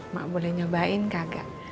mak boleh nyobain kagak